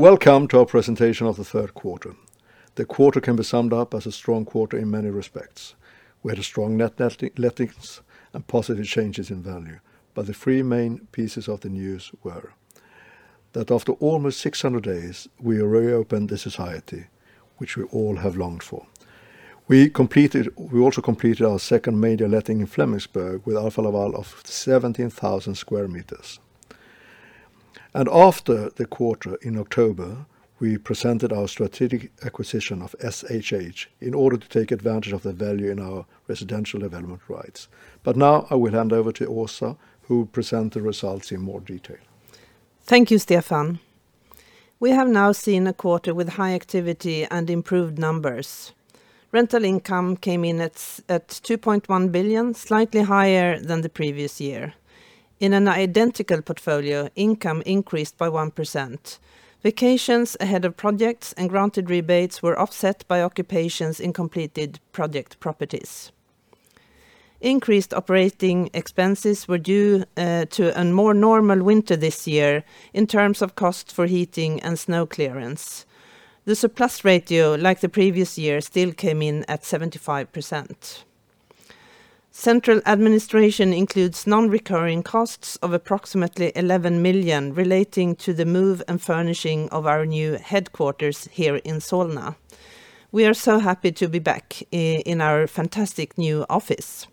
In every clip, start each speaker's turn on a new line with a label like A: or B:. A: Welcome to our presentation of the third quarter. The quarter can be summed up as a strong quarter in many respects. We had strong net lettings and positive changes in value. The three main pieces of the news were that after almost 600 days, we reopened the society, which we all have longed for. We also completed our second major letting in Flemingsberg with Alfa Laval of 17,000 sq m. After the quarter, in October, we presented our strategic acquisition of SHH in order to take advantage of the value in our residential development rights. Now I will hand over to Åsa, who will present the results in more detail.
B: Thank you, Stefan. We have now seen a quarter with high activity and improved numbers. Rental income came in at 2.1 billion, slightly higher than the previous year. In an identical portfolio, income increased by 1%. Vacations ahead of projects and granted rebates were offset by occupations in completed project properties. Increased operating expenses were due to a more normal winter this year in terms of cost for heating and snow clearance. The surplus ratio, like the previous year, still came in at 75%. Central administration includes non-recurring costs of approximately 11 million relating to the move and furnishing of our new headquarters here in Solna. We are so happy to be back in our fantastic new office.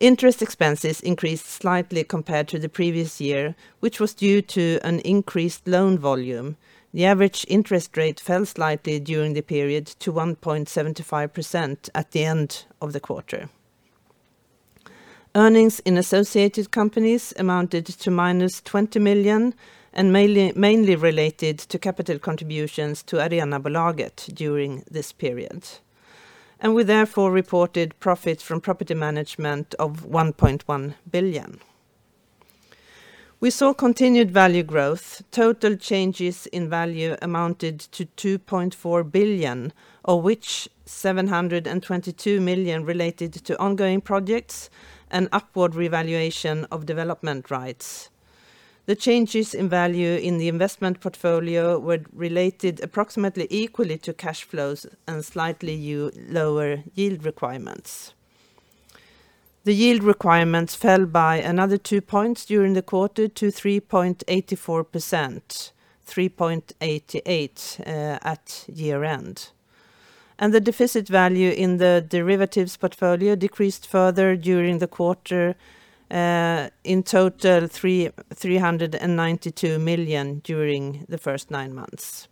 B: Interest expenses increased slightly compared to the previous year, which was due to an increased loan volume. The average interest rate fell slightly during the period to 1.75% at the end of the quarter. Earnings in associated companies amounted to minus 20 million and mainly related to capital contributions to Arenabolaget during this period. We therefore reported profits from property management of 1.1 billion. We saw continued value growth. Total changes in value amounted to 2.4 billion, of which 722 million related to ongoing projects and upward revaluation of development rights. The changes in value in the investment portfolio were related approximately equally to cash flows and slightly lower yield requirements. The yield requirements fell by another 2 points during the quarter to 3.84%, 3.88% at year-end. The deficit value in the derivatives portfolio decreased further during the quarter, in total 392 million during the first nine months.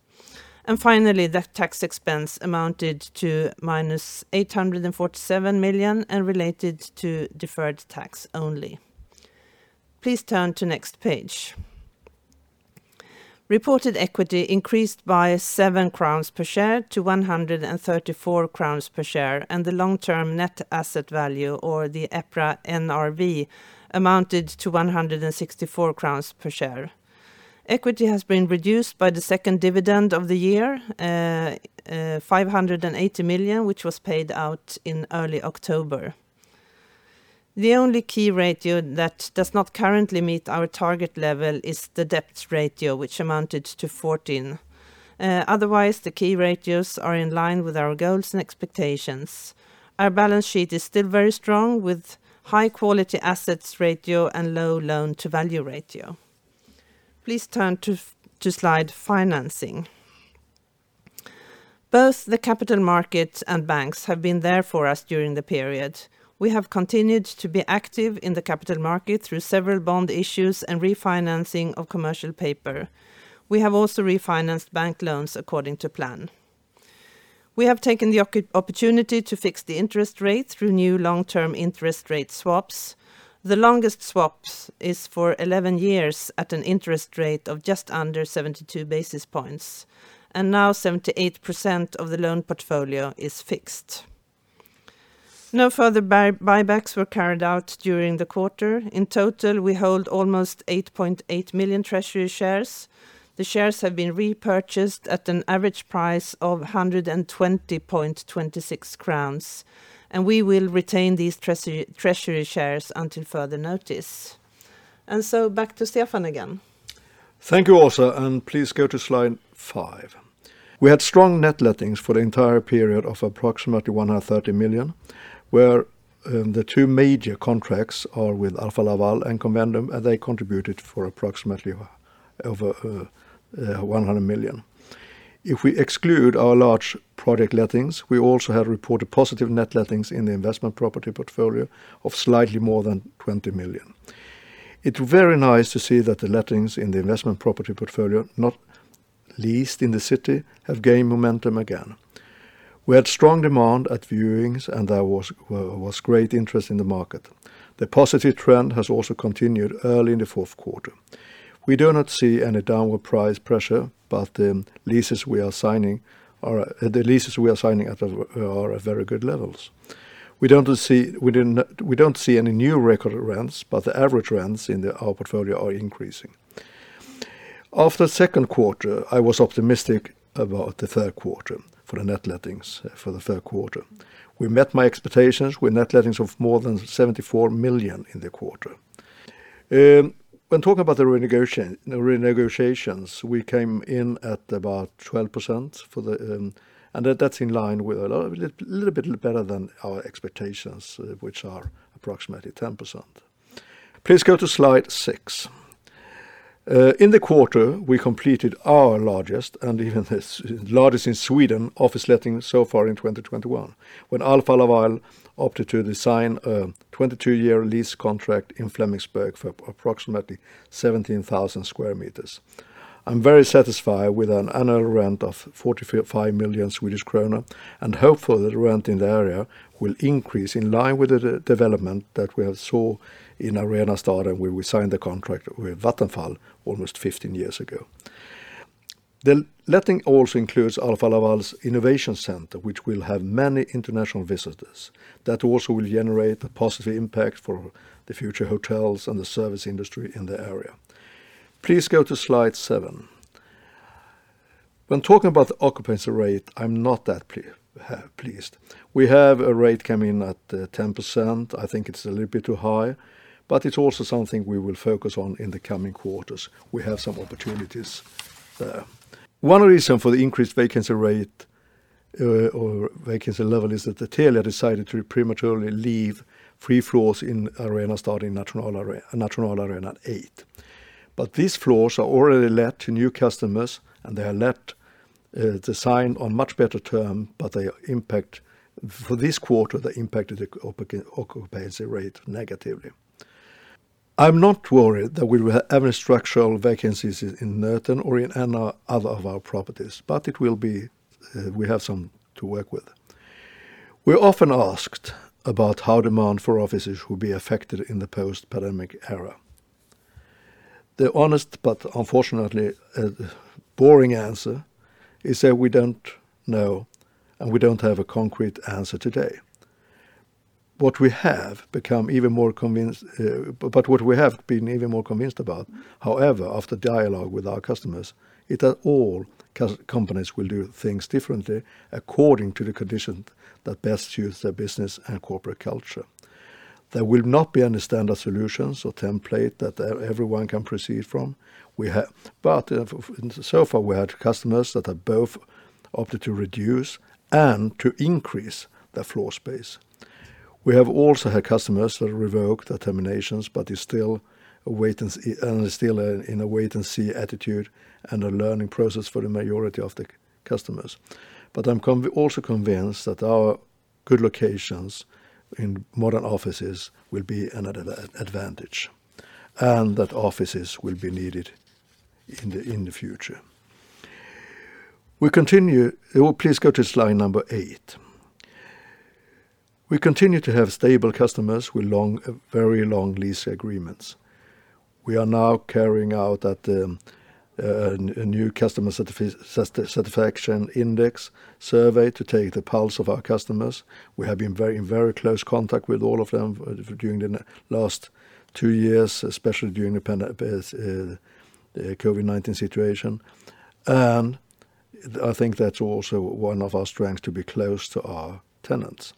B: Finally, the tax expense amounted to minus 847 million and related to deferred tax only. Please turn to next page. Reported equity increased by 7 crowns per share to 134 crowns per share, and the long-term net asset value or the EPRA NRV amounted to 164 crowns per share. Equity has been reduced by the second dividend of the year, 580 million, which was paid out in early October. The only key ratio that does not currently meet our target level is the debt ratio, which amounted to 14%. Otherwise, the key ratios are in line with our goals and expectations. Our balance sheet is still very strong with high quality assets ratio and low loan-to-value ratio. Please turn to slide Financing. Both the capital markets and banks have been there for us during the period. We have continued to be active in the capital market through several bond issues and refinancing of commercial paper. We have also refinanced bank loans according to plan. We have taken the opportunity to fix the interest rate through new long-term interest rate swaps. The longest swap is for 11 years at an interest rate of just under 72 basis points. Now 78% of the loan portfolio is fixed. No further buybacks were carried out during the quarter. In total, we hold almost 8.8 million treasury shares. The shares have been repurchased at an average price of 120.26 crowns. We will retain these treasury shares until further notice. Back to Stefan again.
A: Thank you, Åsa, and please go to slide five. We had strong net lettings for the entire period of approximately 130 million, where the two major contracts are with Alfa Laval and Convendum, and they contributed for approximately over 100 million. If we exclude our large project lettings, we also have reported positive net lettings in the investment property portfolio of slightly more than 20 million. It's very nice to see that the lettings in the investment property portfolio, not least in the city, have gained momentum again. We had strong demand at viewings, and there was great interest in the market. The positive trend has also continued early in the fourth quarter. We do not see any downward price pressure, but the leases we are signing are at very good levels. We don't see any new record rents, but the average rents in our portfolio are increasing. After the second quarter, I was optimistic about the third quarter for the net lettings for the third quarter. We met my expectations with net lettings of more than 74 million in the quarter. When talking about the renegotiations, we came in at about 12%, and that's a little bit better than our expectations, which are approximately 10%. Please go to slide six. In the quarter, we completed our largest, and even the largest in Sweden office letting so far in 2021, when Alfa Laval opted to sign a 22-year lease contract in Flemingsberg for approximately 17,000 sq m. I'm very satisfied with an annual rent of 45 million Swedish kronor and hopeful that rent in the area will increase in line with the development that we have saw in Arenastaden where we signed the contract with Vattenfall almost 15 years ago. The letting also includes Alfa Laval's innovation center, which will have many international visitors. That also will generate a positive impact for the future hotels and the service industry in the area. Please go to slide seven. When talking about the occupancy rate, I'm not that pleased. We have a rate coming in at 10%. I think it's a little bit too high, but it's also something we will focus on in the coming quarters. We have some opportunities there. One reason for the increased vacancy rate or vacancy level is that Telia decided to prematurely leave three floors in Arenastaden Nationalarenan 8. These floors are already let to new customers, and they are let on much better terms. For this quarter, they impacted the occupancy rate negatively. I am not worried that we will have any structural vacancies in Nöten or in any other of our properties. We have some to work with. We are often asked about how demand for offices will be affected in the post-pandemic era. The honest, unfortunately, boring answer is that we do not know, and we do not have a concrete answer today. What we have been even more convinced about, however, after dialogue with our customers, is that all companies will do things differently according to the conditions that best suit their business and corporate culture. There will not be any standard solutions or templates that everyone can proceed from. So far, we have customers that have both opted to reduce and to increase their floor space. We have also had customers that revoke their terminations but are still in a wait-and-see attitude and a learning process for the majority of the customers. I'm also convinced that our good locations in modern offices will be an advantage and that offices will be needed in the future. Please go to slide number eight. We continue to have stable customers with very long lease agreements. We are now carrying out a new customer satisfaction index survey to take the pulse of our customers. We have been in very close contact with all of them during the last two years, especially during the COVID-19 situation. I think that's also one of our strengths, to be close to our tenants.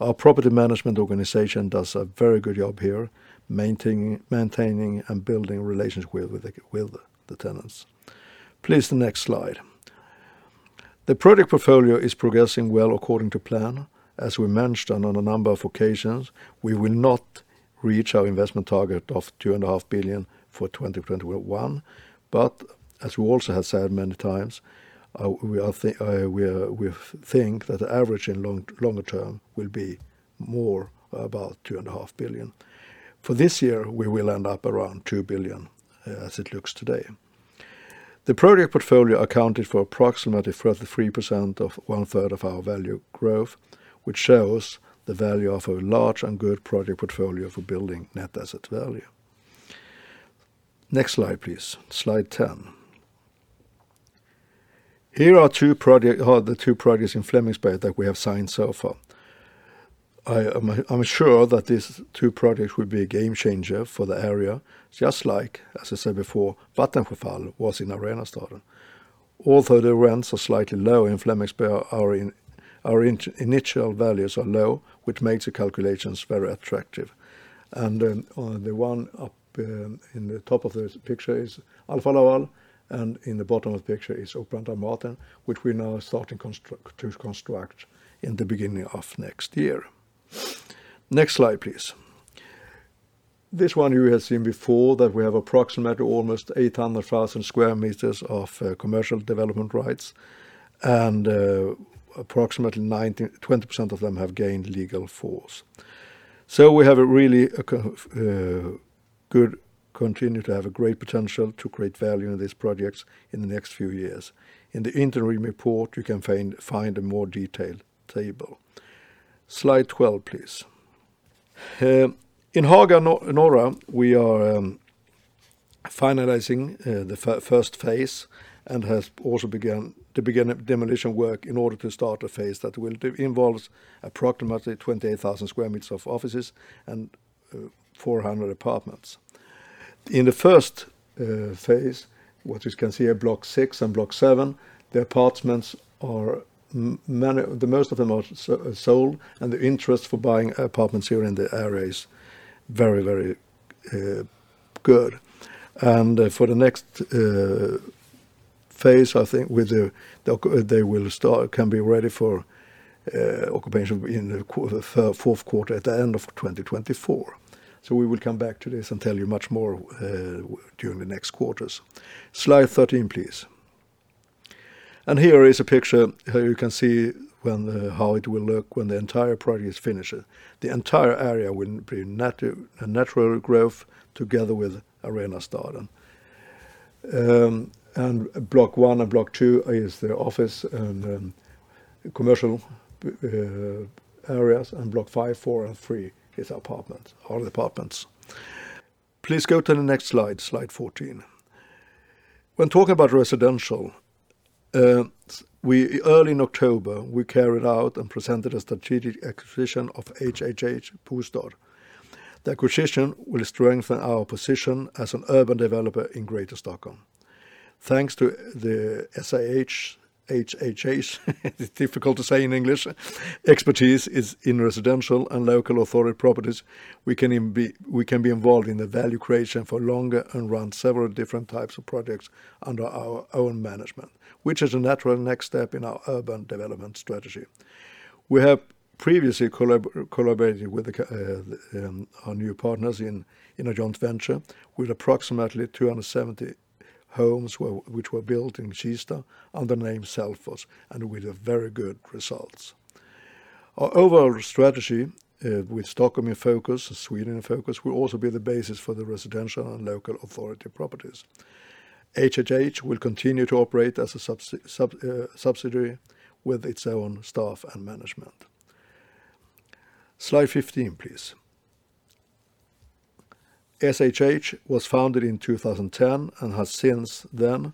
A: Our property management organization does a very good job here, maintaining and building relationships with the tenants. Please, the next slide. The project portfolio is progressing well according to plan. As we mentioned on a number of occasions, we will not reach our investment target of 2.5 billion for 2021. As we also have said many times, we think that the average in longer term will be more about 2.5 billion. For this year, we will end up around 2 billion as it looks today. The project portfolio accounted for approximately 33% of 1/3 of our value growth, which shows the value of a large and good project portfolio for building net asset value. Next slide, please. Slide 10. Here are the two projects in Flemingsberg that we have signed so far. I'm sure that these two projects will be a game changer for the area, just like, as I said before, Vattenfall was in Arenastaden. Although the rents are slightly low in Flemingsberg, our initial values are low, which makes the calculations very attractive. Then the one up in the top of the picture is Alfa Laval, and in the bottom of the picture is Operan and Dramaten, which we are now starting to construct in the beginning of next year. Next slide, please. This one you have seen before, that we have approximately almost 800,000 sq m of commercial development rights, and approximately 20% of them have gained legal force. We continue to have a great potential to create value in these projects in the next few years. In the interim report, you can find a more detailed table. Slide 12, please. In Haga Norra, we are finalizing the first phase and have also begun demolition work in order to start a phase that will involve approximately 28,000 sq m of offices and 400 apartments. In the first phase, what you can see are block six and block seven. Most of them are sold, the interest for buying apartments here in the area is very good. For the next phase, I think they can be ready for occupation in the fourth quarter at the end of 2024. We will come back to this and tell you much more during the next quarters. Slide 13, please. Here is a picture. Here you can see how it will look when the entire project is finished. The entire area will be a natural growth together with Arenastaden. Block one and block two is the office and commercial areas. And block five, four, and three is apartments. Please go to the next slide 14. When talking about residential, early in October, we carried out and presented a strategic acquisition of SHH Bostad. The acquisition will strengthen our position as an urban developer in Greater Stockholm. Thanks to the SHH, it's difficult to say in English, expertise is in residential and local authority properties, we can be involved in the value creation for longer and run several different types of projects under our own management, which is a natural next step in our urban development strategy. We have previously collaborated with our new partners in a joint venture with approximately 270 homes which were built in Kista under the name Selfoss and with very good results. Our overall strategy with Stockholm focus, Sweden focus, will also be the basis for the residential and local authority properties. SHH will continue to operate as a subsidiary with its own staff and management. Slide 15, please. SHH was founded in 2010 and has since then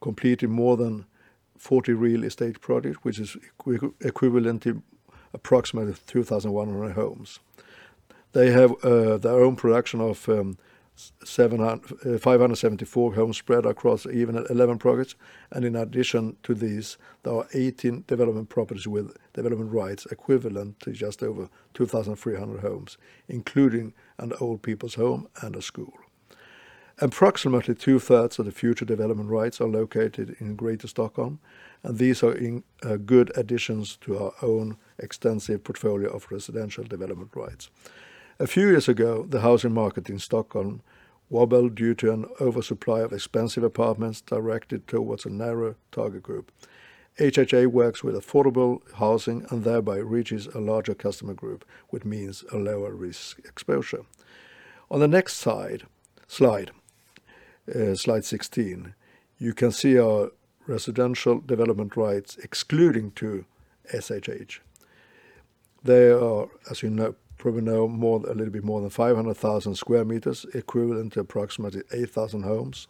A: completed more than 40 real estate projects, which is equivalent to approximately 2,100 homes. They have their own production of 574 homes spread across even 11 projects. In addition to these, there are 18 development properties with development rights equivalent to just over 2,300 homes, including an old people's home and a school. Approximately two-thirds of the future development rights are located in Greater Stockholm, and these are in good additions to our own extensive portfolio of residential development rights. A few years ago, the housing market in Stockholm wobbled due to an oversupply of expensive apartments directed towards a narrow target group. SHH works with affordable housing and thereby reaches a larger customer group, which means a lower risk exposure. On the next slide 16, you can see our residential development rights excluding to SHH. They are, as you probably know, a little bit more than 500,000 sq m, equivalent to approximately 8,000 homes.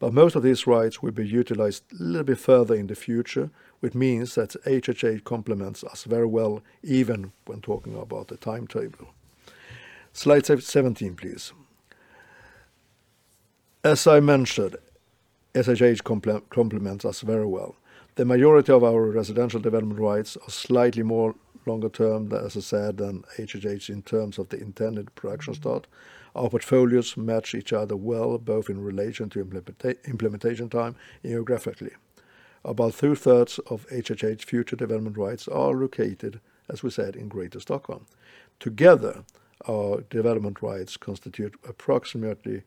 A: Most of these rights will be utilized a little bit further in the future, which means that SHH complements us very well, even when talking about the timetable. slide 17, please. As I mentioned, SHH complements us very well. The majority of our residential development rights are slightly more longer-term, as I said, than SHH in terms of the intended production start. Our portfolios match each other well, both in relation to implementation time and geographically. About two-thirds of SHH's future development rights are located, as we said, in Greater Stockholm. Together, our development rights constitute approximately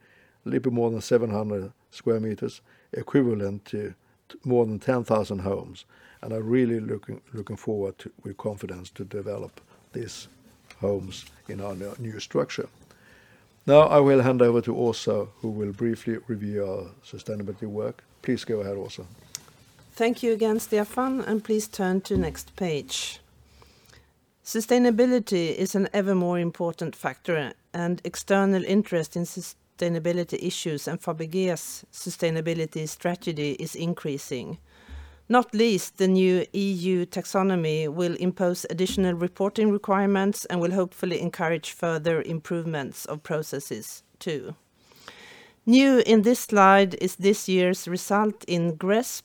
A: a little bit more than 700 sq m, equivalent to more than 10,000 homes. I'm really looking forward with confidence to develop these homes in our new structure. Now I will hand over to Åsa, who will briefly review our sustainability work. Please go ahead, Åsa.
B: Thank you again, Stefan. Please turn to next page. Sustainability is an ever more important factor. External interest in sustainability issues and Fabege's sustainability strategy is increasing. Not least, the new EU taxonomy will impose additional reporting requirements and will hopefully encourage further improvements of processes too. New in this slide is this year's result in GRESB,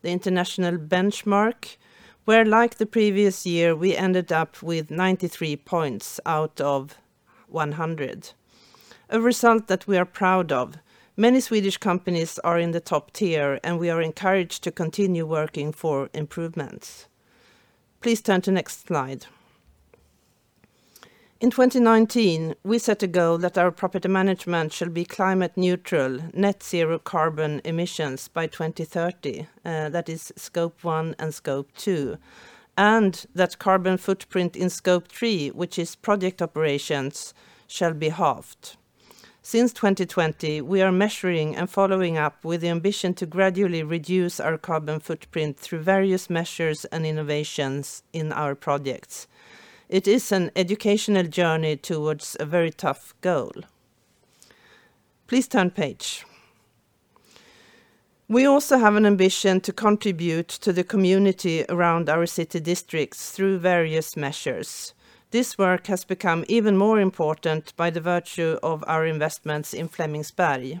B: the international benchmark, where, like the previous year, we ended up with 93 points out of 100. A result that we are proud of. Many Swedish companies are in the top tier. We are encouraged to continue working for improvements. Please turn to next slide. In 2019, we set a goal that our property management should be climate neutral, net zero carbon emissions by 2030. That is Scope 1 and Scope 2. That carbon footprint in Scope 3, which is project operations, shall be halved. Since 2020, we are measuring and following up with the ambition to gradually reduce our carbon footprint through various measures and innovations in our projects. It is an educational journey towards a very tough goal. Please turn page. We also have an ambition to contribute to the community around our city districts through various measures. This work has become even more important by the virtue of our investments in Flemingsberg.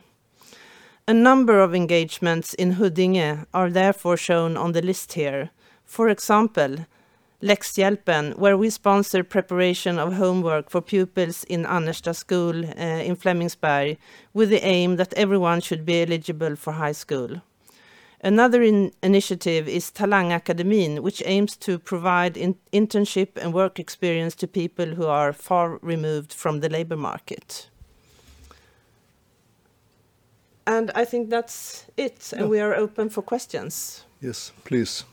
B: A number of engagements in Huddinge are therefore shown on the list here. For example, Läxhjälpen, where we sponsor preparation of homework for pupils in Annerstaskolan in Flemingsberg, with the aim that everyone should be eligible for high school. Another initiative is Talangakademin, which aims to provide internship and work experience to people who are far removed from the labor market. I think that's it.
A: Yeah.
B: We are open for questions.
A: Yes, please.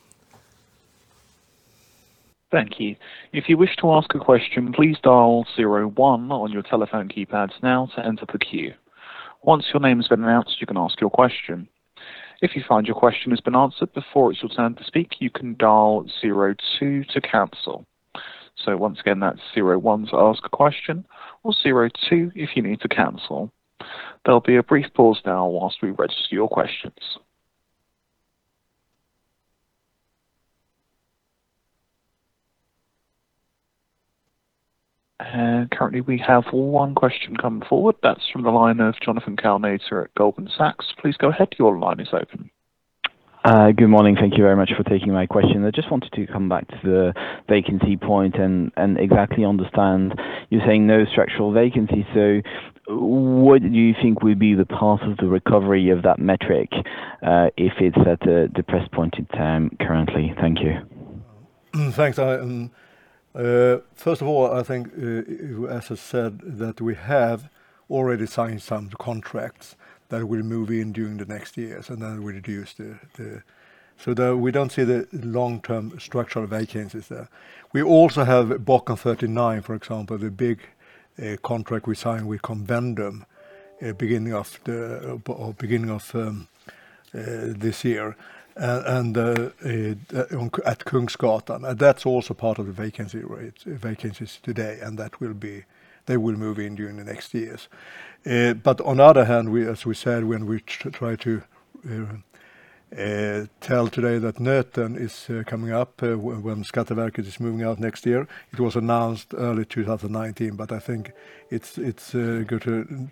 C: Thank you. If you wish to ask a question, please dial zero one on your telephone keypads now to enter the queue. Once your name has been announced, you can ask your question. If you find your question has been answered before it is your turn to speak, you can dial zero two to cancel. Once again, that is zero one to ask a question or zero two if you need to cancel. There will be a brief pause now while we register your questions. Currently we have one question come forward. That is from the line of Jonathan Kownator at Goldman Sachs. Please go ahead. Your line is open.
D: Good morning. Thank you very much for taking my question. I just wanted to come back to the vacancy point and exactly understand. You're saying no structural vacancy, so what do you think will be the path of the recovery of that metric if it is at a depressed point in time currently? Thank you.
A: Thanks. First of all, I think, as I said, that we have already signed some contracts that will move in during the next years. We don't see the long-term structural vacancies there. We also have Bocken 39, for example, the big contract we signed with Convendum beginning of this year at Kungsgatan. That's also part of the vacancy rates, vacancies today, and they will move in during the next years. On the other hand, as we said, when we try to tell today that Nöten is coming up when Skatteverket is moving out next year. It was announced early 2019, but I think it's good to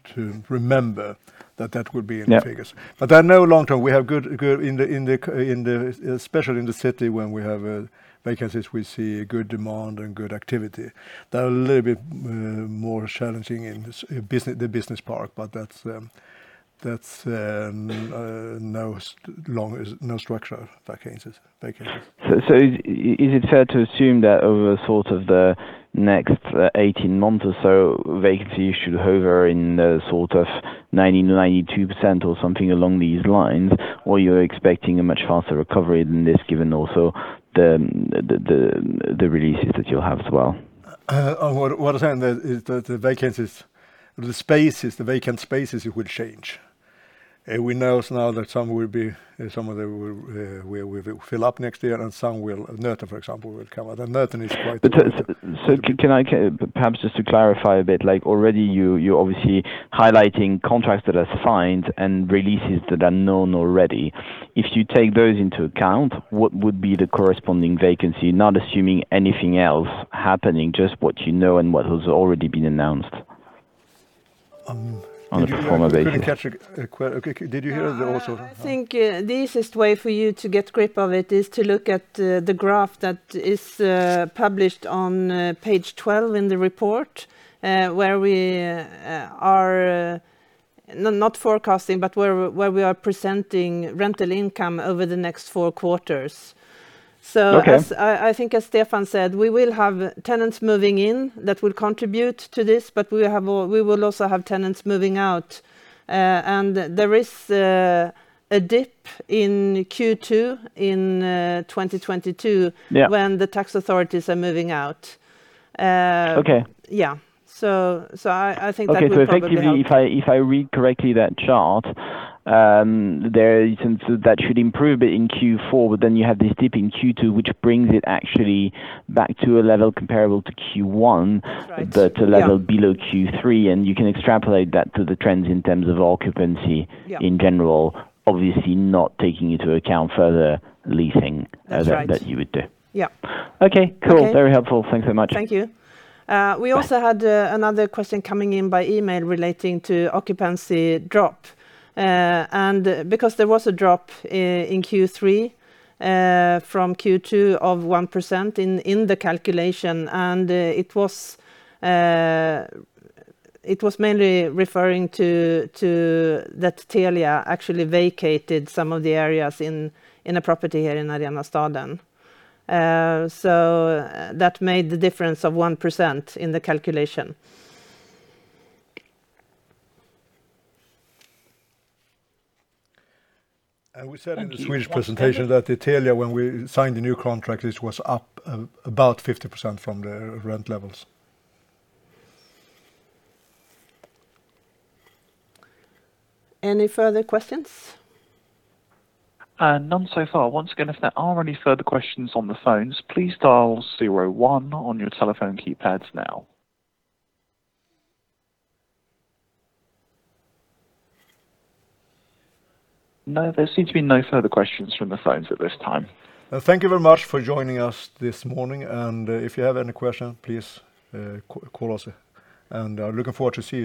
A: remember that that will be in the figures.
D: Yeah.
A: There are no long-term, especially in the city, when we have vacancies, we see good demand and good activity. They're a little bit more challenging in the business park, but that's no structural vacancies.
D: Is it fair to assume that over the next 18 months or so, vacancy should hover in the 90%, 92% or something along these lines? You're expecting a much faster recovery than this, given also the releases that you'll have as well?
A: What I'm saying is that the vacant spaces will change. We know now that some of them we will fill up next year, and some will, Nöten, for example, will come.
D: Can I perhaps just to clarify a bit, already you're obviously highlighting contracts that are signed and releases that are known already. If you take those into account, what would be the corresponding vacancy? Not assuming anything else happening, just what you know and what has already been announced on a pro forma basis.
A: Couldn't catch. Did you hear also?
B: I think the easiest way for you to get grip of it is to look at the graph that is published on page 12 in the report where we are not forecasting but where we are presenting rental income over the next four quarters.
D: Okay.
B: I think as Stefan said, we will have tenants moving in that will contribute to this, but we will also have tenants moving out. There is a dip in Q2 in 2022.
D: Yeah.
B: When the tax authorities are moving out.
D: Okay.
B: Yeah. I think that will probably help.
D: Okay. Effectively, if I read correctly that chart, that should improve it in Q4, you have this dip in Q2, which brings it actually back to a level comparable to Q1.
B: That's right. Yeah.
D: A level below Q3, and you can extrapolate that to the trends in terms of occupancy.
B: Yeah.
D: In general, obviously not taking into account further leasing.
B: That's right.
D: That you would do.
B: Yeah.
D: Okay. Cool.
B: Okay.
D: Very helpful. Thanks so much.
B: Thank you.
D: Bye.
B: We also had another question coming in by email relating to occupancy drop. Because there was a drop in Q3 from Q2 of 1% in the calculation, and it was mainly referring to that Telia actually vacated some of the areas in a property here in Arenastaden. That made the difference of 1% in the calculation.
A: We said in the Swedish presentation that Telia, when we signed the new contract, it was up about 50% from the rent levels.
B: Any further questions?
C: None so far. Once again, if there are any further questions on the phones, please dial zero on your telephone keypads now. No, there seems to be no further questions from the phones at this time.
A: Thank you very much for joining us this morning. If you have any question, please call us. Looking forward to see you.